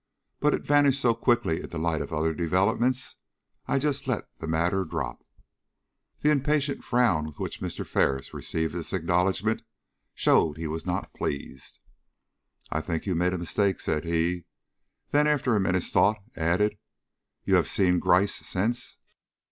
But it vanished so quickly in the light of other developments, I just let the matter drop." The impatient frown with which Mr. Ferris received this acknowledgment showed he was not pleased. "I think you made a mistake," said he. Then, after a minute's thought, added: "You have seen Gryce since?"